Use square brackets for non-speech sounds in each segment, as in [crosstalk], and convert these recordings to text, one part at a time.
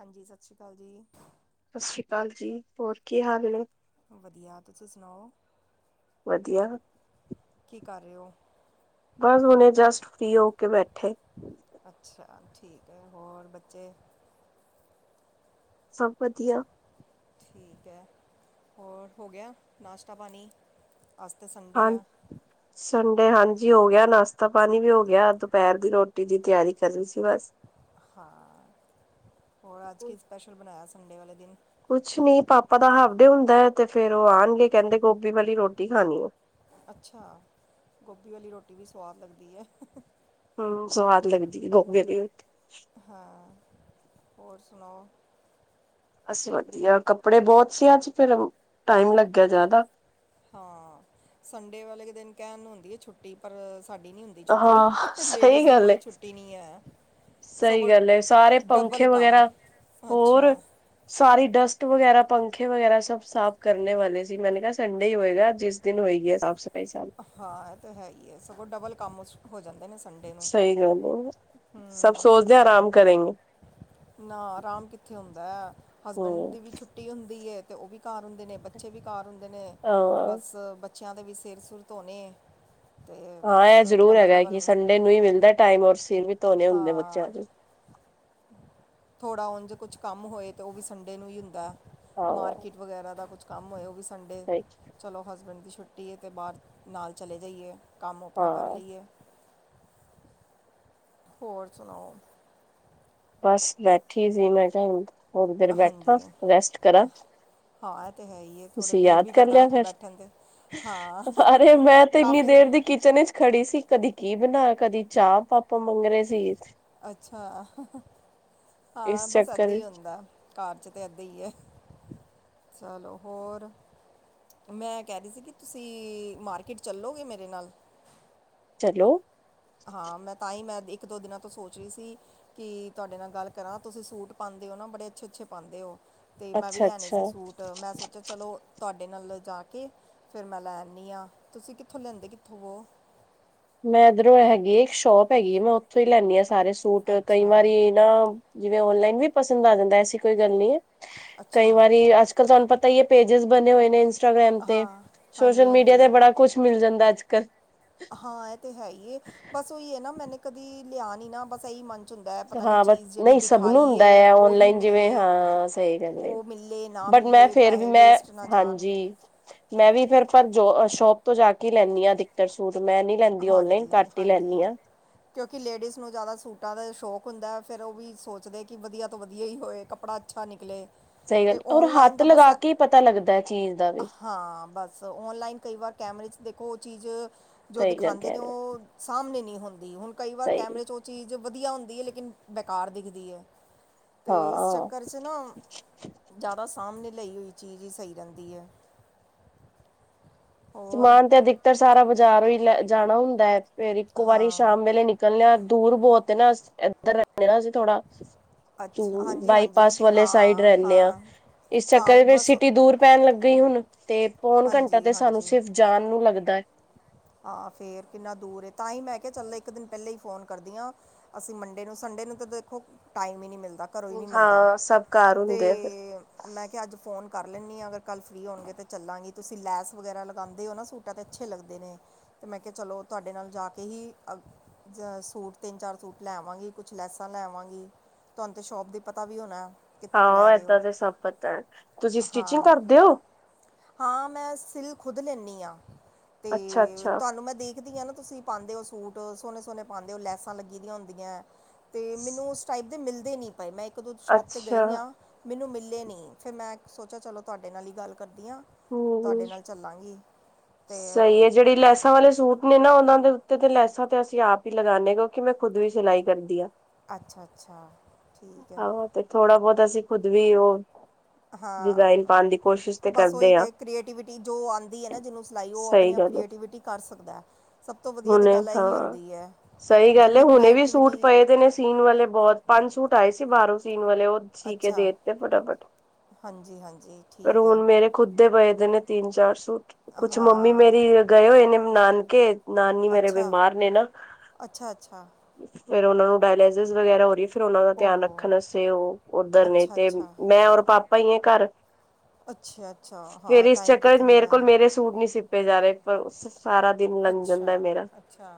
ਹਾਂਜੀ, ਸਸ ਸ੍ਰੀ ਕਾਲ ਜੀ। ਸਸ ਸ੍ਰੀ ਕਾਲ ਜੀ। ਹੋਰ ਕੀ ਹਾਲ ਨੇ? ਵਧੀਆ। ਤੁਸੀਂ ਸੁਨਾਓ? ਵਧੀਆ। ਕੀ ਕਰ ਰੇ ਓ? ਬਸ ਹੁਨੇ ਜਸਟ ਫ੍ਰੀ ਹੋ ਕੇ ਬੈਠੇ। ਅੱਛਾ, ਠੀਕ ਐ। ਹੋਰ ਬੱਚੇ? ਸਭ ਵਧੀਆ। ਠੀਕ ਐ। ਹੋਰ, ਹੋ ਗਿਆ ਨਾਸ਼ਤਾ ਪਾਨੀ? ਅੱਜ ਤਾਂ ਹਾਂ ਸੰਡੇ ਆ। ਹ ਸੰਡੇ ਹਾਂਜੀ, ਹੋ ਗਿਆ ਨਾਸ਼ਤਾ ਪਾਣੀ ਵੀ ਹੋ ਗਿਆ, ਦੁਪਹਿਰ ਦੀ ਰੋਟੀ ਦੀ ਤਿਆਰੀ ਕਰ ਰੀ ਸੀ ਬਸ। ਹਾਂ, ਹੋਰ ਅੱਜ ਕੀ ਸਪੈਸ਼ਲ ਬਣਾਇਆ ਸੰਡੇ ਵਾਲੇ ਦਿਨ ਕੁਛ ਨੀ ਪਾਪਾ ਦਾ ਹਾਫਡੇ ਹੁੰਦਾ ਐ, ਤੇ ਫੇਰ ਉਹ ਆਣਗੇ ਕਹਿੰਦੇ ਗੋਭੀ ਵਾਲੀ ਰੋਟੀ ਖਾਣੀ ਏ। ਅੱਛਾ, ਗੋਭੀ ਵਾਲੀ ਰੋਟੀ ਵੀ ਸਵਾਦ ਲੱਗਦੀ ਐ। ਹਮ, ਸਵਾਦ ਲਗਦੀ ਗੋਬੀ ਵਾਲੀ ਰੋਟੀ। ਹਾਂ, ਹੋਰ ਸੁਣਾਓ। ਅਸੀਂ ਵਧੀਆ, ਕੱਪੜੇ ਬਹੁਤ ਸੀ, ਅੱਜ ਫਿਰ ਟਾਈਮ ਲੱਗਿਆ ਜ਼ਿਆਦਾ। ਹਾਂ, ਸੰਡੇ ਵਾਲੇ ਦਿਨ ਕਹਿਣ ਹੁੰਦੀ ਐ ਛੁੱਟੀ, ਪਰ ਸਾਡੀ ਨੀ ਹੁੰਦੀ ਦੀ ਛੁੱਟੀ, ਹਾਂ ਲੇਡੀਸ ਸਹੀ ਦੀ ਗੱਲ ਕੋਈ ਏ। ਛੁੱਟੀ ਨਈ ਐ। ਸਹੀ ਸੋਗੋ ਗੱਲ ਏ, ਸਾਰੇ ਡਬਲ ਪੰਖੇ ਕੰਮ, ਵਗੈਰਾ ਹੋਰ ਅੱਛਾ। ਸਾਰੀ ਡਸਟ ਵਗੈਰਾ, ਪੰਖੇ ਵਗੈਰਾ ਸਭ ਸਾਫ਼ ਕਰਨੇ ਵਾਲੇ ਸੀ, ਮੈਨੇ ਕਿਹਾ ਸੰਡੇ ਈ ਹੋਏਗਾ, ਜਿਸ ਦਿਨ ਹੋਏਗੀ ਏ ਸਾਫ਼- ਸਫ਼ਾਈ ਸਬ ਹਾਂ ਤੇ ਹੈ ਹੀ ਹੈ, ਸਗੋਂ ਡਬਲ ਕੰਮ ਹੋ ਜਾਂਦੇ ਨੇ ਸੰਡੇ ਨੂੰ ਸਹੀ ਗੱਲ ਐ, ਸਭ ਸੋਚਦੇ ਆਰਾਮ ਕਰੇਂਗੇ। ਨਾ ਆਰਾਮ ਕਿੱਥੇ ਹੁੰਦਾ, ਹਸਬੈਂਡ ਹਮ ਦੀ ਵੀ ਛੁੱਟੀ ਹੁੰਦੀ ਐ, ਤੇ ਉਹ ਵੀ ਘਰ ਹੁੰਦੇ ਨੇੱ, ਬੱ ਬੱਚੇ ਵੀ ਘਰ ਹੁੰਦੇ ਨੇ, ਹਾਂ ਬਸ ਬੱਚਿਆਂ ਦੇ ਵੀ ਸਿਰ- ਸੁੁਰ ਧੋਣੇ। ਤੇ ਬਸ ਹਾਂ ਇਹ ਜ਼ਰੂਰ ਡਬਲ ਹੈਗਾ, ਡਬਲ ਕਿ ਸੰਡੇ ਨੂੰ ਹੀ ਮਿਲਦਾ ਟਾਈਮ ਔਰ ਸਿਰ ਵੀ ਧੋਣੇ ਹੁੰਦੇ ਬੱਚਿਆਂ ਦੇ। ਥੋੜ੍ਹਾ ਉਂਝ ਕੁਝ ਕੰਮ ਹੋਏ, ਤਾਂ ਉਹ ਵੀ ਸੰਡੇ ਨੂੰ ਈ ਹੁੰਦਾ, ਹਾਂ ਮਾਰਕੀਟ ਵਗੈਰਾ ਦਾ ਕੁਛ ਕੰਮ ਹੋਏ ਉਹ ਵੀ ਸੰਡੇ ਸਹੀ ਚਲੋ ਹਸਬੈਂਡ ਦੀ ਛੁੱਟੀ ਐ, ਅਤੇ ਬਾਹਰ ਨਾਲ ਚਲੇ ਜਾਈਏ, ਕੰਮ ਆਪਣਾ ਕਰ ਹਾਂ ਲਈਏ। ਹੋਰ ਸੁਣਾਓ। ਬਸ ਬੈਠੀ ਸੀ ਮੈਂ ਕਿਆ ਹੁਣ ਥੋੜੀ ਦੇਰ ਬੈਠਾ, ਹਾਂਜੀ ਰੈਸਟ ਕਰਾਂ। ਹਾਂ ਇਹ ਤੇ ਹੈ ਈ ਏ, ਥੋੜਾ ਤੁਸੀਂ ਦਿਲ ਯਾਦ ਵੀ ਕਰ ਕਰਦਾ ਲਿਆ ਫਿਰ ਬੈਠਣ ਤੇ ਹਾਂ ਅਰੇ ਮੈਂ ਤੇ ਇੰਨੀ ਕਾਫੀ ਦੇਰ ਦੀ ਕਿਚਨ ਐਚ ਖੜੀ ਸੀ ਕਦੀ ਕੀ ਬਣਾ, ਕਦੀ ਚਾਹ ਪਾਪ ਮੰਗ ਰਹੇ ਸੀ। ਅੱਛਾ, ਹਾਂ ਇਸ ਬਸ ਏਦਾਂ ਚੱਕਰ ਹੀ ਹੁੰਦਾ। ਘਰ 'ਚ ਤਾਂ ਇਏਦਾਂ ਈ ਐ, ਚਲੋ ਹੋਰ ਮੈਂ ਕਹਿ ਰਹੀ ਸੀ ਕਿ ਤੁਸੀਂ ਮਾਰਕੀਟ ਚੱਲੋਗੇ ਮੇਰੇ ਨਾਲ ਚਲੋ ਹਾਂ, ਮੈਂ ਤਾਂ ਈ ਮੈਂ ਇੱਕ ਦੋ ਦਿਨਾਂ ਤੋਂ ਸੋਚ ਰਹੀ ਸੀ। ਕਿ ਤੁਹਾਡੇ ਨਾਲ ਗੱਲ ਕਰਾਂ, ਤੁਸੀਂ ਸੂਟ ਪਾਂਦੇ ਔ ਨਾ, ਬੜੇ ਅੱਛੇ -ਅੱਛੇ ਪਾਂਦੇ ਔ। ਤੇ ਮੈਂ ਵੀ ਅੱਛਾ ਲੈਣੇ ਅੱਛਾ ਸੀ, ਸੂਟ ਮੈਂ ਸੋਚਿਆ ਚਲੋ, ਤੁਹਾਡੇ ਨਾਲ ਜਾ ਕੇ ਫਿਰ ਮੈਂ ਲੈ ਆਂਦੀ ਆ। ਤੁਸੀਂ ਕਿੱਥੋਂ ਲੈਂਦੇ ਲੈਂਦੇ ਕਿੱਥੋਂ ਹੋ। ਮੈਂ ਇਧਰੋਂ ਹੈਗੀ ਇੱਕ ਸ਼ੋਪ ਹੈਗੀ ਐ, ਮੈਂ ਉੱਥੋਂ ਈ ਲੈਦੀ ਆ ਸਾਰੇ ਸੂਟ ਕਈ ਅੱਛਾ ਵਾਰੀ ਨਾ। ਜਿਵੇਂ ਔਨਲਾਈਨ ਵੀ ਪਸੰਦ ਆ ਜਾਂਦਾ, ਐਸੀ ਕੋਈ ਗੱਲ ਨਹੀਂ ਐ, ਕਈ ਅੱਛਾ ਵਾਰੀ ਆਸ ਤੁਹਾਨੂੰ ਪਤਾ ਈ ਏ ਪੇਜਸ ਬਣੇ ਹੋਏ ਨੇ, ਇੰਸਟਾਗ੍ਰਾਮ ਤੇ ਹਾਂ, ਸੋਸ਼ਲ ਮੀਡੀਆ ਹਾਂਜੀ-ਹਾਂਜੀ। ਤੇ ਬੜਾ ਕੁਛ ਮਿਲ ਜਾਂਦਾ ਅੱਜ- ਕੱਲ੍ਹ ਹਾਂ, ਇਹ ਤੇ ਹੈ ਏ ਬਸ ਉਹੀ ਐ ਨਾ, ਮੈਨੇ ਕਦੀ ਲਿਆ ਨੀ ਨਾ ਬਸ ਇਹੀ ਮੰਨ ਹਾਂ, ਬਸ ਨਹੀਂ ਸਭ ਨੂੰ ਹੁੰਦਾ ਏ ਆ ਉਹੀ ਓਨਲਾਈਨ ਜਿਵੇਂ ਮਿਲੇ ਹਾਂ ਸਹੀ ਕਿਹਾ। ਉਹ ਮਿਲੇ ਨਾ ਬਟ ਮੈਂ ਮਿਲੇ ਫੇਰ ਵੀ ਪੈਸੇ ਮੈਂ ਵੇਸਟ ਨਾ ਜਾਣ ਹਾਂਜੀ। ਮੈਂ ਵੀ ਫੇਰ ਜੋ ਸ਼ੋਪ ਤੋਂ ਜਾ ਕੇ ਲੈਂਦੀ ਆ, ਆਦਿਕਤਰ ਸੂਟ ਮੈਂ ਨੀ ਲੈਂਦੀ ਔਨਲਾਈਨ ਘੱਟ ਈ ਹਾਂਜੀ-ਹਾਂਜੀ। ਲੈਂਦੀ ਆ। ਕਿਉਂਕਿ ਲੇਡੀਸ ਨੂੰ ਜ਼ਿਆਦਾ ਸੂਟਾਂ ਦਾ ਸ਼ੌਕ ਹੁੰਦਾ, ਫਿਰ ਉਹ ਵੀ ਸੋਚਦੇ ਕਿ ਵਧੀਆ ਤੋਂ ਵਧੀਆ ਹੀ ਹੋਏ ਕੱਪੜਾ ਅੱਛਾ ਨਿਕਲੇ ਸਈ ਗੱਲ ਤੇ ਐ, ਔਰ ਔਨਲਾਈਨ ਹੱਥ ਦਾ ਬਸ ਲਗਾ ਕੇ ਈ ਪਤਾ ਲੱਗਦਾ ਐ ਚੀਜ ਦਾ। ਹਾਂ, ਬਸ ਔਨਲਾਈਨ ਕਈ ਵਾਰ ਕੈਮਰੇ'ਚ ਦੇਖੋ, ਓਹ ਚੀਜ ਜੋ ਸਹੀ ਗੱਲ ਦਿਖਾਂਦੇ ਕਹਿ ਨੇ, ਰਹੇ ਹੋ ਓਹ ਸਾਮਨੇ ਨਈ ਹੋਂਦੀ, ਹੁਨ ਕਈ ਵਾਰ ਸਹੀ ਕੈਮਰੇ'ਚ ਓਹ ਚੀਜ ਵਦੀਆ ਹੁੰਦੀ ਐ, ਲੇਕਿਨ ਬੇਕਾਰ ਦਿਖਦੀ ਐ। ਤੇ ਇਸ ਹਾਂ ਚੱਕਰ'ਚ ਨਾ, ਜਾਦਾ ਸਾਮਨੇ ਲਈ ਹੋਈ ਚੀਜ ਈ ਸਈ ਰੈਂਦੀ ਐ। ਹੋਰ ਸਮਾਨ ਤੇ ਅਧਿਕਤਰ ਸਾਰਾ ਬਾਜਾਰੋਂ ਈ ਲੈ ਜਾਨਾ ਹੁੰਦਾ ਐ, ਫੇਰ ਇੱਕੋ ਵਾਰੀ ਹਾਂ ਸ਼ਾਮ ਵੇਲੇ ਨਿਕ ਕੱਲੇਆ ਦੂਰ ਬੋਤ ਏ ਨਾ, ਐਦਰ ਰੈਨੇ ਆਂ ਅਸੀ ਥੋੜਾ ਉਂ ਅੱਛਾ ਓ ਹਾਂਜੀ ਹਾਂਜੀ ਬਾਈਪਾਸ ਤੇ ਵਾਲੇ ਸਾਈਡ ਹਾਂ ਰੈਂਦੇ ਐ, ਹਾਂ ਇਸ ਹਾਂ ਉਹ ਚੱਕਰ'ਚ ਫੇਰ ਬਸ ਸਿਟੀ ਦੂਰ ਟੈਮ ਲੱਗ ਗਈ ਹੁਣ, ਤੇ ਪੌਨ ਘੰਟਾ ਹਾਂਜੀ ਤੇ ਸਾਨੂੰ ਹਾਂਜੀ ਸਿਰਫ਼ ਜਾਨ ਨੂੰ ਲੱਗਦੈ। ਹਾਂ ਫੇਰ ਕਿੰਨਾ ਦੂਰ ਏ, ਤਾਂਈ ਮੈ ਕਿਯਾ ਚਲ ਇਕ ਦਿਨ ਪੈਲੇ ਈ ਫੋਨ ਕਰਦੀਆਂ। ਅਸੀਂ ਮੰਡੇ ਨੂੰ, ਸੰਡੇ ਨੂੰ ਤੇ ਦੇਖੋ, ਟਾਈਮ ਈ ਨਈ ਮਿਲਦਾ। ਘਰੋਂ ਈ ਨਈ ਮਿਲਦਾ ਹਾਂ ਸਭ ਘਰ ਤੇ ਹੁੰਦੇ ਆ ਫਿਰ ਮੈਂ ਕਆ, ਅੱਜ ਫੋਨ ਕਰ ਲੈਂਨੀ ਆਂ, ਅਗਰ ਕੱਲ ਫਰੀ ਹੋਨਗੇ ਤੇ ਚੱਲਾਂਗੇ। ਤੁਸੀਂ ਲੈਸ ਵਗੈਰਾ ਲਗਾਂਦੇ ਹੋ ਨਾ ਸੂਟ ਟ ਤੇ ਅੱਛੇ ਲੱਗਦੇ ਨੇ, ਤੇ ਮੈਂ ਕਿਆ ਚਲੋ, ਤਵਾਢੇ ਨਾਲ ਜਾ ਕੇ ਹੀ ਅਗ ਜੇ ਸੂਟ ਤਿੰਨ-ਚਾਰ ਸੂਟ ਲੈ ਆਵਾਂਗੀ, ਕੁਛ ਲੈਸਾਂ ਲੈ ਆਵਾਂਗੀ। ਤੁਆਨ ਤੇ ਸ਼ੋਪ ਦੀ ਪਤਾ ਵੀ ਹੋਣੈ। ਹਾਂ, ਏਦਾਂ ਤੇ ਸਭ ਪਤਾ ਐ। ਤੁਸੀਂ ਸਟਿਚਿੰਗ ਹਾਂ ਕਰਦੇ ਓ? ਹਾਂ, ਮੈਂ ਸਿਲ ਖੁਦ ਲੈਨੀ ਆਂ, ਤੇ ਅੱਛਾ ਅੱਛਾ ਨਈ ਮੈਂ ਦੇਖਦੀ ਆਂ ਨਾ, ਤੁਸੀਂ ਪਾਉਂਦੇ ਹੋ ਸੂਟ, ਸੋਹਣੇ-ਸੋਹਣੇ ਪਾਉਂਦੇ ਹੋ, ਲੈਸਾਂ ਲੱਗੀ ਦੀਆਂ ਹੁੰਦੀਆਂ। ਤੇ ਮੈਨੂੰ ਉਸ ਟਾਈਪ ਦੇ ਮਿਲਦੇ ਨੀ ਪਏ, ਮੈਂ ਇੱਕ-ਦੋ ਸ਼ੋਪ ਤੇ ਅੱਛਾ ਗਈ ਆਂ ਮੈਨੂੰ ਮਿਲੇ ਨਈ, ਫੇਰ ਮੈਂ ਸੋਚਿਆ ਚਲੋ, ਤੁਹਾਡੇ ਨਾਲ ਹੀ ਗੱਲ ਕਰਦੀ ਹਾਂ। ਹੂੰ ਤੁਹਾਡੇ ਨਾਲ ਚੱਲਾਂਗੀ ਅਤੇ ਸਈ ਏ, ਜੇੜੀ ਲੈਸ ਸਾਰੇ ਸੂਟ ਨੂੰ ਨਾ, ਓਹਨਾਂ ਦੇ ਉੱਤੇ ਤੇ ਲੈਸਾਂ ਤੇ ਅਸੀਂ ਆਪ ਈ ਲਗਾਨੇ ਆਂ ਕਯੋਂਕਿ ਮੈਂ ਖੁਦ ਈ ਸਿਲਾਈ ਕਰਦੀ ਆਂ। ਅੱਛਾ-ਅੱਛਾ, ਠੀਕ ਐ। ਆਹੋ ਤੇ ਥੋੜਾ-ਬੋਤਾ ਅਸੀਂ ਖੁੱਦ ਵੀ ਓਹ ਡਿਜ਼ਾਇਨ ਪਾਨ ਦੀ ਕੋਸ਼ਿਸ਼ ਤੇ ਕਰਦ ਓਈ ਤੇ, ਕ੍ਰੀਏਟਿਵਿਟੀ ਜੋ ਆਂਦੀ ਏ ਨਾ ਜਿਨੂੰ ਸਿਲਾਈ, ਓਹ ਆਪਨੇ-ਆਪ ਕ੍ਰੀਏਟਿਵਿਟੀ ਕਰ ਸਕਦੈ। ਹੁਨੇ ਹਾਂ, ਸਈ ਗੱਲ ਏ, ਜਿੰਨੀ ਹੁਨੇ ਵੀ ਸੂਟ ਕ੍ਰੀਏਟੀਵਿਟੀ ਪਏ ਦੇ ਨੇ ਸੀਨ ਵਾਲੇ ਬੋਤ, ਪੰਜ ਸੂਟ ਆਏ ਸੀ ਬਾਰੋਂ ਸੀਨ ਵਾਲੇ, ਓਹ ਸੀ ਕੇ ਅੱਛਾ ਦੇ ਤੇ ਫਟਾਫਟ, ਹਾਂਜੀ ਹਾਂਜੀ ਪਰ ਠੀਕ ਹੈ ਹੁਨ ਮੇਰੇ ਖੁੱਦ ਦੇ ਪਏ ਜੇ ਨੇ ਤਿੰਨ-ਚਾਰ ਸੂਟ, ਕੁੱਛ ਮੰਮੀ ਹਾਂ ਮੇਰੀ ਗਏ ਹੋਏ ਨੇੇ ਨਾਨਕੇ ਨਾਨੀ ਮੇਰੇ ਅੱਛਾ ਬੀਮਾਰ ਨੇ ਨਾ ਅੱਛਾ ਅੱਛਾ। ਫੇਰ ਓਨਾ ਨੂੰ ਡਾਇਲੇਸਿਸ ਵਗੈਰਾ ਹੋ ਰਈ, ਫੇਰ ਓਨਾ ਦਾ ਧਿਆਨ ਓਹੋ ਰੱਖਨ ਵਾਸਤੇ ਓ ਓਦਰ ਨੇ, ਅੱਛਾ ਤੇ ਅੱਛਾ ਮੈਂ ਹੋਰ ਪਾਪ ਪਾ ਈਏ ਘਰ। ਅੱਛਾ-ਅੱਛਾ, ਫੇਰ ਹਾਂ, ਇਸ ਟਾਈਮ ਚੱਕਰ ਚ ਕਿੱਥੇ ਮੇਰੇ ਮਿਲਦਾ ਕੋਲ ਐਨਾ ਨੂੰ। ਮੇਰੇ ਸੂਟ ਨਈ ਸਿੱਪੇ ਜਾ ਰਏ ਪਰ ਸਾਰਾ ਦਿਨ ਲੰਘ ਅੱਛਾ, ਜਾਂਦਾ ਮੇਰਾ ਅੱਛਾ,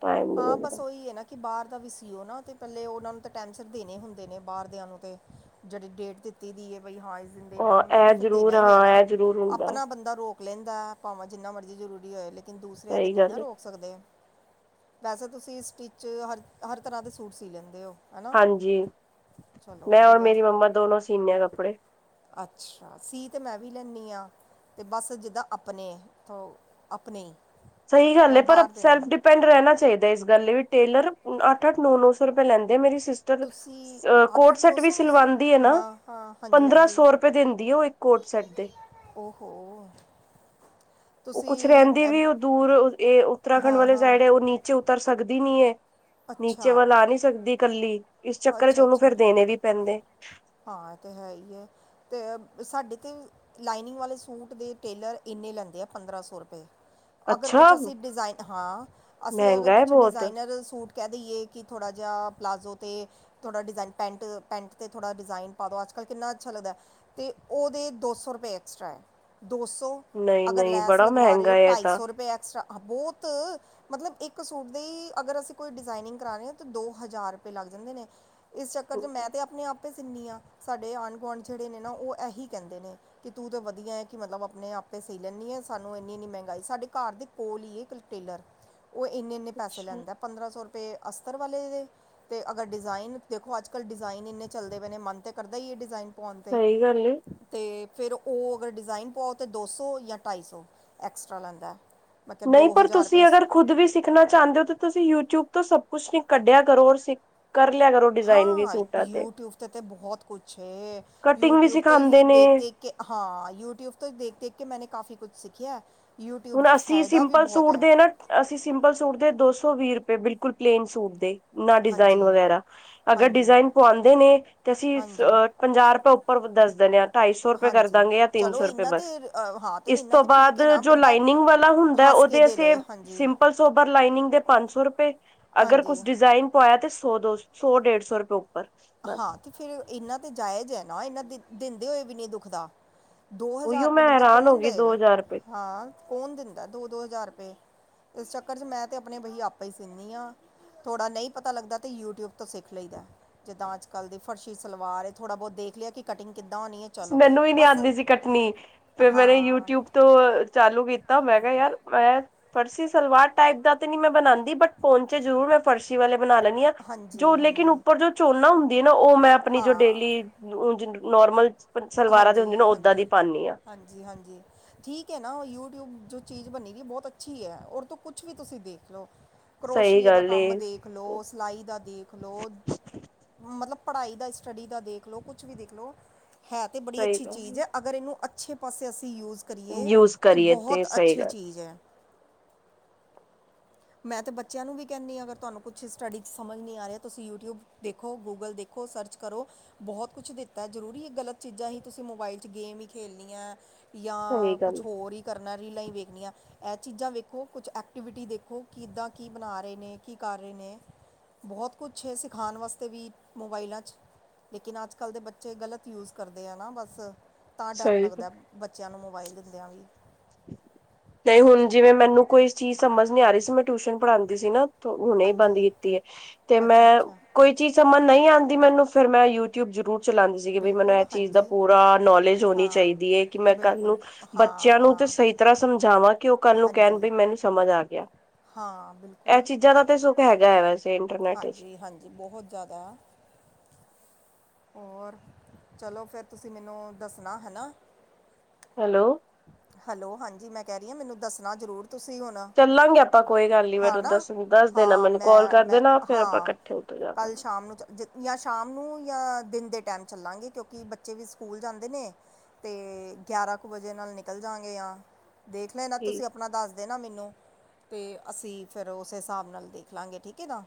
ਟਾਈਮ ਨੀ ਹਾਂ, ਬਸ ਮਿਲਦਾ ਓਈ ਐ ਨਾ ਕਿ ਬਾਰ ਦਾ ਵੀ ਸੀ ਓ ਨਾ, ਤੇ ਪੈਲੇ ਓਹਨਾ ਨੂੰ ਤੇ ਟੈਮ ਸਿਰ ਦੇਨੇ ਹੁੰਦੇ ਨੇ, ਬਾਰ ਦੇਆਂ ਨੂੰ ਤੇ। ਜੇੜੀ ਡੇਟ ਦਿੱਤੀ ਵੀ ਹੈ ਬਈ ਹਾਂ, ਇਸ ਦਿਨ ਦੇਨੈ ਹਾਂ ਓਨਾਂ ਨੂੰ ਇਹ ਤਾਂ ਫਿਰ ਦੇਨਾ ਜ਼ਰੂਰ ਈ ਹਾਂ ਐਨਾ, ਇਹ ਜ਼ਰੂਰ ਹੁੰਦਾ ਆਪਨਾ ਬੰਦਾ ਰੋਕ ਲੇਂਦੈ ਭਾਵੇਂ ਜਿੰਨਾ ਮਰਜੀ ਜਰੂਰੀ ਹੋਏ, ਲੇਕਿਨ ਦੂਸਰਿਆਂ ਦੇ ਸਹੀ ਨਈ ਨਾ ਗੱਲ ਰੋਕ ਸਕਦੇ। ਵੈਸੇ ਤੁਸੀਂ ਸਟਿੱਚ, ਹਰ ਹਰ ਤਰ੍ਹਾਂ ਦੇ ਸੂਟ ਸੀ ਲੈਂਦੇ ਓ? ਹਾਂਜੀ, ਮੈਂ ਔਰ ਵਧੀਆ ਮੇਰੀ ਮੰਮਾ, ਦੋਨੋ ਸੀਂਨੇ ਆਂ ਕੱਪੜੇ। ਅੱਛਾ, ਸੀ ਤੇ ਮੈਂ ਵੀ ਲੈਨੀ ਆਂ ਤੇ ਬਸ ਜਿੱਦਾਂ ਆਪਨੇ ਆਪਨੇ। ਸਈ ਗੱਲ ਏ ਪਰ ਸੈਲਫ ਡਿਪ ਦੀਪੇਂਡ ਰੈਂਣਾ ਚਾਈਦਾ ਏਸ ਗੱਲ ਲਈ, ਵੀ ਟੇਲਰ ਅੱਠ-ਅੱਠ, ਨੌ-ਨੌ ਸੌ ਰੁਪਏ ਲੈਂਦੇ ਆ, ਮੇਰੀ ਸੀਸ ਤੁਸੀਂ ਕੋਰਡ ਸੈਟ ਵੀ ਸਿਲਵਾਂਦੀ ਏਨਾ, ਹਾਂ ਹਾਂ ਹਾਂਜੀ ਹਾਂਜੀ ਪੰਦਰਾਂ-ਸੌ ਰਪੇ ਦੇਂਦੀ ਓ ਇੱਕ ਕੋਰਡ-ਸੈਟ ਦੇ। ਓਹੋ! ਓ ਕੁਛ ਤੁਸੀਂ ਰੈਂਦੀ ਐਮ- ਵੀ ਓ ਦੂਰ, ਏ ਉੱਤਰਾਖੰਡ ਹਾਂ ਵਾਲੇ ਹਾਂ ਸਾਈਡ ਐ, ਓ ਨੀਚੇ ਉਤਰ ਸਕਦੀ ਨੀ ਐ ਅੱਛਾ ਨੀਚੇ ਵੱਲ ਆ ਨਈਂ ਸਕਦੀ ਕੱਲੀ, ਇਸ ਚੱਕਰ ਚ ਅੱਛਾ ਓਨੂੰ ਫੇਰ ਅੱਛਾ ਦੇਣੇ ਵੀ ਪੈਂਦੇ। ਹਾਂ, ਏ ਤਾਂ ਹੈ ਹੀਏ, ਤੇ ਸਾਡੇ ਤੇ ਲਾਈਨਿੰਗ ਵਾਲੇ ਸੂਟ ਦੇ ਟੇਲਰ ਏਨੇ ਲੈਂਦੇ ਆ, ਪੰਦਰਾਂ ਸੌ ਰਪੇ। ਅਗਰ ਕੁਛ ਅੱਛਾ ਅਸੀਂ ਡਿਜ਼ਾਇਨ ਹਾਂ, ਅਸੀਂ ਅਗਰ ਮਹਿੰਗਾ ਹੈ ਕੁਛ ਬਹੁਤ ਡਿਜ਼ਾਇਨਰ ਸੂਟ ਕੈ ਦੇਈਏ ਕਿ ਥੋੜ੍ਹਾ ਜੇਆ ਪਲਾਜ਼ੋ ਤੇ ਥੋੜ੍ਹਾ ਡਿਜ਼ਾਇਨ ਪੈਂਟ ਪੈਂਟ ' ਥੋੜ੍ਹਾ ਡਿਜ਼ਾਇਨ ਪਾਦੋ, ਅੱਜ ਕੱਲ ਕਿੰਨਾ ਅੱਛਾ ਲੱਦੈ ਤੇ ਤੇ ਓਦੇ ਦੋ ਸੌ ਰੁਪਏ ਐਕਸਟ੍ਰਰਾ ਏ, ਦੋ ਸੌ ਨਹੀਂ ਅਗਰ ਨਹੀਂ ਲੈਸ ਬੜਾ ਲਗਵਾ ਮਹਿੰਗਾ ਰੇਓ, ਹੈ ਇਹ ਢਾਈ ਤਾਂ ਸੌ ਰੂਪੇ ਐਕਸਟ੍ਰਾ। ਬੋਤ ਮਤਲਬ ਇੱਕ ਸੂਟ ਦੇ ਅਗਰ ਅਸੀਂ ਕੋਈ ਡਿਜ਼ਾਇਨਿੰਗ ਕਰਾਰੇ, ਤਾਂ ਦੋ ਹਜ਼ਾਰ ਰੁਪਏ ਲੱਗ ਜਾਂਦੇ ਨੇ, ਇਸ ਚੱਕਰ ਚ ਮੈਂ ਤੇ ਆਪਣੇ ਆਪ ਆਪੇ ਸੀਨੀਆਂ ਸਾਡੇ ਆਂਢ-ਗੁਆਂਢ ਜੇੜੇ ਨੇ ਨਾ, ਓ ਏਹੀ ਕੈਂਦੇ ਨੇ ਕਿ ਤੂੰ ਤੇ ਵਧੀਆ ਏ, ਕਿ ਮਤਲਬ ਅਪਨੇ ਆਪੇ ਸੀਂ ਲੈਂਨੀ ਏ, ਸਾਨੂੰ ਏਨੀ-ਏਨੀ ਮੈਂਗਾਈ ਸਾਡੇ ਘਰ ਦੀ ਕੋਲ ਈ ਇੱਕ ਟੇਲਰ, ਓ ਏਨੇ-ਏਨੇ ਪੈਸੇ ਅੱਛਾ ਲੈਂਦੈ। ਪੰਦਰਾਂ ਸੌ ਰੁਪਏ ਅਸਤਰ ਵਾਲੇ ਦੇ ਤੇ ਅਗਰ ਡਿਜ਼ਾਇਨ ਦੇਖੋ ਅਜੱ-ਕੱਲ ਡਿਜ਼ਾਇਨ ਈਂਨੇ ਚੱਲਦੇ ਪਏ ਨੇ, ਮਨ ਤਾਂ ਕਰਦਾ ਈਏ ਡਿਜ਼ਾਇਨ ਪੁਆਨ ਤੇ। ਸਹੀ ਗੱਲ ਏ ਤੇ ਫੇਰ ਓ ਅਗਰ ਡਿਜ਼ਾਇਨ ਪੂਆਓ ਤੇ, ਦੋ ਸੌ ਯਾਂ ਢਾਈ ਸੌ ਐਕਸਟਰਾ ਲੈਂਦੈ। ਨਈਂ, ਪਰ ਤੁਸੀਂ ਅਗਰ ਖੁਦ ਵੀ ਸਿੱਖ ਸਿੱਖਣਾ ਚਾਂਦੇ ਓ ਤਾਂ, ਤੁਸੀਂ ਯੂਟਿਊਬ ਤੋਂ ਸਭ ਕੁਛ ਨ ਕੱਢਿਆ ਕਰੋ ਔਰ ਸਿੱਖ ਕਰ ਲਿਆ ਕਰੋ ਡਿਜ਼ਾਇਨ ਵੀ ਹਾਂ, ਸੂਟਾਂ ਯੂਟਿਊਬ ਤੇ ਤੇ ਬਹੋਤ ਕੁਛ ਏ, ਕਟਿੰਗ ਵੀ ਯੂਟਿਊਬ ਤੋਂ ਹੀ ਸਿਖਾਉਂਦੇ ਨੇ ਦੇਖ-ਦੇਖ ਕੇ ਕਿ ਹਾਂ, ਯੂਟਿਊਬ ਤੋਂ ਦੇਖ-ਦੇਖ ਕੇ ਮੈਨੇ ਕਾਫ਼ੀ ਕੁਛ ਸਿੱਖੀਐ। ਹੁਣ, ਅਸੀਂ ਸਿੰਪਲ ਸੂਟ ਦੇਨਾਂ ਅਸੀਂ ਸਿੰਪਲ ਸੂਟ ਦੇ ਦੋ ਸੌ ਵੀਹ ਰੁਪਏ ਬਿਲਕੁਲ ਪਲੇਨ ਸੂਟ ਦੇ ਨਾ ਡਿਜ਼ਾਇਨ ਹਾਂਜੀ ਵਗੈਰਾ, ਅਗਰ ਹਾਂਜੀ ਡਿਜ਼ਾਇਨ ਪੂਆਂਦੇ ਨੇ ਤੇ ਅਸੀਂ ਹਾਂਜੀ ਅ ਪੰਜਾਹ ਰੁਪਏ ਉੱਪਰ ਦੱਸ ਦੇਨੇਂ ਆ। ਢਾਈ ਸੌ ਰੁਪਏ ਹਾਂਜੀ ਕਰਦਾਂਗੇ ਯਾਂ ਤਿੰਨ ਚਲੋ ਸੌ ਰੁਪਏ ਇੰਨਾ ਤੇ ਬਸ ਅ, ਹਾਂ ਤੇ ਇਸ ਇੰਨਾ ਤੋਂ ਤੇ ਠੀਕ ਬਾਦ ਹੈ ਨਾ ਜੋ ਬੰਦਾ ਲਾਈਨਿੰਗ ਵਾਲਾ ਹੁੰਦੈ, ਹੱਸ ਕੇ ਓਦੇ ਦੇ ਅਸੀਂ ਲਏ ਹਾਂਜੀ ਸਿੰਪਲ ਸੋਬਰ ਲਾਈਨਿੰਗ ਦੇ ਪੰਜ ਸੌ ਰੁਪਏ ਅਗਰ ਹਾਂਜੀ ਕੁਛ ਡਿਜ਼ਾਇਨ ਪੂਆਯਾ ਤੇ ਸੌ ਡੇੜ ਸੌ ਰੂਪੇ ਉਪਰ ਹਾਂ ਬਸ- ਤੇ ਫਿਰ ਏਨਾਂ ਤੇ ਜਾਇਜ ਐ ਨਾ, ਏਨਾਂ ਦਿੰਦੇ ਹੋਏ ਵੀ ਨੀਂ ਦੁਖਦਾ। ਦੋ ਹਜ਼ਾਰ ਉਹੀਓ ਰਪੇ ਮੈਂ ਬੰਦਾ ਹੈਰਾਨ ਹੋ ਕੌਣ ਗਈ ਦੋ ਦੇਐ, ਹਜ਼ਾਰ ਰੁਪਏ ਹਾਂ ਕੌਣ ਦਿੰਦਾ ਦੋ-ਦੋ ਹਜਾਰ ਰੂਪੇ। ਏਸ ਚੱਕਰ ਚ ਮੈਂ ਤੇ ਅਪਨੇ ਬਈ ਆਪੇ ਈ ਸੀਨੀ ਆਂ। ਥੋੜ੍ਹਾ ਨਈਂ ਪਤਾ ਲੱਗਦੈ ਤਾਂ ਯੂਟਿਊਬ ਤੋਂ ਸਿੱਖ ਲਈਦੈ। ਜਿੱਦਾਂ ਅੱਜ-ਕੱਲ ਦੀ ਫਰਸ਼ੀ ਸਲਵਾਰ ਏ, ਥੋੜਾ ਬੋਤ ਦੇਖ ਲੇਆ ਕੀ ਕਟਿੰਗ ਕਿੱਦਾਂ ਹੋਣੀ ਏ। ਮੈਨੂੰ ਵੀ ਨੀ ਆਂਦੀ ਸੀ ਕੱਟਣੀ, ਫੇਰ ਮੈਂਨੇ ਹਾਂ ਯੂਟਿਊਬ ਤੋਂ ਚਾਲੂ ਕੀਤਾ, ਮੈਂ ਕੇਯਾ ਯਾਰ ਮੈਂ ਫਰਸੀ ਸਲਵਾਰ ਟਾਈਪ ਦਾ ਤੇ ਨੀ ਮੈਂ ਬਨਾਂਦੀ ਬਟ ਪੋਂਚੇ ਜਰੂਰ ਮੈਂ ਫਰਸ਼ੀ ਵਾਲੇ ਬਣਾ ਲੈ ਨੀਆਂ, ਹਾਂਜੀ ਜੋ ਲੇਕਿਨ ਹਾਂਜੀ ਉੱਪਰ ਜੋ ਚੋਨਾ ਹੁੰਦੀ ਐਨਾ, ਓ ਮੈਂ ਆਪਣੀ ਜੋ ਹਾਂ ਡੇਲੀ ਨੋਰਮਲ ਸਲਵਾਰਾਂ ਦੀ ਹੁੰਦੀ ਨਾ ਓਦਾਂ ਹਾਂਜੀ-ਹਾਂਜੀ, ਦੀ ਪਾਨੀ ਆ ਹਾਂਜੀ-ਹਾਂਜੀ। ਠੀਕ ਐਨਾ, ਓ ਯੂਟਿਊਬ ਜੋ ਚੀਜ਼ ਬਨੇਗੀ ਬੋਤ ਅੱਛੀ ਐ, ਓਦੇ ਤੋਂ ਕੁਛ ਵੀ ਤੁਸੀਂ ਦੇਖ ਲੋ। ਸਹੀ ਕਰੋਸਸ਼ਿਏ ਦਾ ਗੱਲ ਏ ਕੰਮ ਦੇਖ ਲੋ, ਸਿਲਾਈ ਦਾ ਦੇਖ ਲੋ। ਮਤਲਬ, ਪੜ੍ਹਾਈ ਦਾ, ਸਟੱਡੀ ਦਾ ਦੇਖ ਲਉ, ਕੁਛ ਵੀ ਦੇਖ ਲਓ। ਹੈ ਤਾਂ ਬੜੀ ਸਹੀ ਅੱਛੀ ਚੀਜ਼ ਐ, ਗੱਲ ਅਗਰ ਇਹਨੂੰ ਅੱਛੇ ਪਾਸੇ ਅਸੀਂ ਯੂਜ਼ ਕਰੀਏ ਯੂਜ ਤੇ ਕਰੀਏ ਬਹੁਤ ਸਹੀ ਅੱਛੀ ਗੱਲ ਚੀਜ਼ ਐ। ਮੈਂ ਤੇ ਬੱਚਿਆਂ ਨੂੰ ਵੀ ਕੈਹਨੀ ਆ, ਅਗਰ ਤੁਹਾਨੂੰ ਕੁਛ ਸਟੱਡੀ 'ਚ ਸਮਝ ਨਹੀਂ ਆ ਰਿਹਾ, ਤੁਸੀਂ ਯੂਟਿਊਬ ਦੇਖੋ, ਗੂਗਲ ਦੇਖੋ, ਸਰਚ ਕਰੋ, ਬਹੁਤ ਕੁਛ ਦਿੱਤਾ, ਜ਼ਰੂਰੀ ਇਹ ਗਲਤ ਚੀਜ਼ਾਂ ਈ ਤੁਸੀਂ ਮੋਬਾਈਲ 'ਚ ਗੇਮ ਹੀ ਖੇਲਣੀਆਂ ਸਹੀ ਜਾਂ ਕੁਛ ਗੱਲ ਹੋਰ ਹੀ ਕਰਨਾ ਰੀਲਾਂ ਈ ਵੇਖਣੀਆਂ ਇਹ ਚੀਜ਼ਾਂ ਵੇਖੋ, ਕੁਛ ਐਕਟੀਵਿਟੀ ਦੇਖੋ, ਕਿ ਇੱਦਾਂ ਕੀ ਬਣਾ ਰਹੇ ਨੇ, ਕੀ ਕਰ ਰਹੇ ਨੇ ਬਹੁਤ ਕੁਛ ਸਿਖਾਉਣ ਵਾਸਤੇ ਵੀ ਮੋਬਾਈਲਾਂ 'ਚ ਲੇਕਿਨ, ਅੱਜ- ਕੱਲ ਦੇ ਬੱਚੇ ਗਲਤ ਯੂਸ ਕਰਦੇ ਆ ਨਾ ਬਸ, ਤਾਂ ਡਰ ਸਹੀ ਗੱਲ ਲੱਗਦਾ ਬੱਚਿਆਂ ਨੂੰ ਮੋਬਾਇਲ ਦਿੰਦਿਆਂ ਵੀ ਤੇ ਹੁਣ ਜਿਵੇਂ ਮੈਨੂੰ ਕੋਈ ਚੀਜ਼ ਸਮਝ ਨਹੀਂ ਆ ਰਹੀ ਸੀ। ਮੈਂ ਟਿਊਸ਼ਨ ਪੜ੍ਹਾਉਂਦੀ ਸੀ ਨਾ ਹੁਣੇ ਬੰਦ ਹਾਂਜੀ ਕੀਤੀ ਐ ਤੇ ਮੈਂ ਅੱਛਾ ਅੱਛਾ ਕੋਈ ਚੀਜ਼ ਸਮਝ ਨਹੀਂ ਆਂਦੀ ਮੈਨੂੰ ਫਿਰ ਮੈਂ ਯੂ ਯਿਊਬ ਜਰੂਰ ਚਲਾਦੀ ਸੀਗੇ ਬੀ ਮੈਨੂੰ ਬਿਲਕੁਲ ਇਹ ਚੀਜ਼ ਦਾ ਹਾਂਜੀ ਪੂਰਾ ਨੌਲੇਜ ਹੋਣੀ ਹਾਂ ਚਾਹੀਦੀ ਹੈਏ ਕਿ ਮੈਂ ਕੱਲ ਨੂੰ ਬਿਲਕੁਲ ਹਾਂ, ਬੱਚਿਆਂ ਨੂੰ ਹਾਂ। ਤੇ ਸਹੀ ਤਰ੍ਹਾਂ ਸਮਝਾਵਾਂ ਕਿ ਉਹ ਕੱਲ ਨੂੰ ਕਹਿਣ ਹਾਂਜੀ ਬੀ ਮੈਨੂੰ ਸਮਝ ਆ ਗਿਆ, ਹਾਂ ਇਹ ਬਿਲਕੁਲ ਚੀਜ਼ਾਂ ਦਾ ਤੇ ਹੈਗਾ ਹੈ ਵੇਸ ਹਾਂਜੀ, ਹਾਂਜੀ ਬਹੁਤ ਜ਼ਿਆਦਾ ਹੋਰ, ਚਲੋ ਫਿਰ ਤੁਸੀਂ ਮੈਨੂੰ ਦੱਸਣਾ ਹੈ ਨਾ ਹੈਲੋ? ਹੈਲੋ, ਹਾਂਜੀ ਮੈਂ ਕਹਿ ਰਹੀ ਆ ਮੈਨੂੰ ਦੱਸਣਾ ਜ਼ਰੂਰ ਤੁਸੀਂ ਹੁਣ ਚੱਲਾਂਗੇ ਆਪਾਂ ਕੋਈ ਗੱਲ ਨੀ, ਹਾਂ ਮੈਨੂੰ ਨਾ ਦੱਸ ਦੇਣਾ ਹਾਂ ਮੈਨੂੰ ਕੋਲ ਮੈਂ ਕਰ ਮੈਂ ਦੇਣਾ ਫੇਰ ਆਪਾਂ ਹਾਂ ਇਕੱਠੇ ਹੋ ਕੱਲ੍ਹ ਸ਼ਾਮ ਨੂੰ ਜਿੱ ਜਾਂ ਸ਼ਾਮ ਨੂੰ ਜਾਂ ਦਿਨ ਦੇ ਟਾਈਮ ਚੱਲਾਂਗੇ, ਕਿਉਂਕਿ ਬੱਚੇ ਵੀ ਸਕੂਲ ਜਾਂਦੇ ਨੇ। ਤੇ ਗਿਆਰਾਂ ਕੁ ਵਜੇ ਨਾਲ ਨਿਕਲ ਜਾਗੇ ਆ, ਦੇਖਲਾਂਗੇ ਠੀਕ। ਤੁਸੀਂ ਆਪਣਾ ਦੱਸ ਦੇਨਾ ਮੈਨੂੰ ਅਤੇ ਅਸੀਂ ਫਿਰ ਉਸ ਹਿਸਾਬ ਨਾਲ ਦੇਖਲਾ ਗੇ ਠੀਕ ਐ ਨਾ।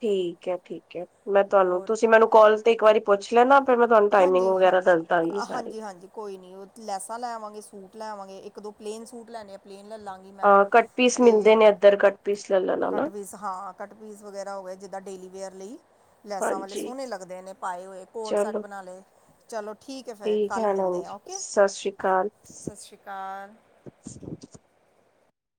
ਠੀਕ ਐ, ਠੀਕ ਐ, ਮੈਂ ਤਹਾਨੂੰ ਔਰ ਤੁਸੀਂ ਮੈਨੂੰ ਕੋਲ ਤੇ ਇੱਕ ਵਾਰੀ ਪੁੱਛ ਲੈਣਾ ਫਿਰ ਮੈਂ ਤੁਹਾਨੂੰ ਟਾਈਮਿੰਗ ਹਾਂਜੀ ਹਾਂ ਵਗੈਰਾ ਦੱਸਦਾਂਗੀ ਸਾਰੀ ਹਾਂਜੀ ਹਾਂਜੀ ਕੋਈ ਨੀ ਉਹ ਲੈਸਾਂ ਲੈਵਾਂਗੇ, ਸੂਟ ਲੈਵਾਂਗੇ, ਇੱਕ ਦੋ ਪਲੇਨ ਸੂਟ ਲੈਨੇ ਆ ਪਲੇਨ ਲੈ ਲਾਂਗੇ। ਮੈਂ ਅ ਕੱਟ ਪੀਸ ਮਿਲਦੇ ਤੇ ਨੇ ਇੱਧਰ ਕੱਟ ਪੀਸ ਲੈ ਲੈਣਾ ਕੱਟ- ਨਾ ਪੀਸ ਹਾਂ ਕੱਟਪੀਸ ਵਗੈਰਾ ਹੋ ਗਿਆ ਜਿੱਦਾਂ ਡੇਲੀਵੇੇਅਰ ਲਈ, ਲੈਸਾਂ ਵਾਲੇ ਹਾਂਜੀ ਸੋਹਣੇ ਲੱਗਦੇ ਨੇ ਪਾਏ ਹੋਏ ਕੋਟ- ਸੈਟ ਚਲੋ ਚਲੋ ਠੀਕ ਐ ਫਿਰ ਹੈ ਕੱਲ ਮਿਲਦੇ ਆ ਹਾਂਜੀ ਓਕੇ। ਸਤਿ ਸ੍ਰੀ ਅਕਾਲ ਸਸਿਰੀ ਕਾਲ। [unintelligible]